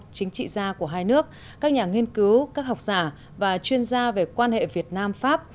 chính trị gia của hai nước các nhà nghiên cứu các học giả và chuyên gia về quan hệ việt nam pháp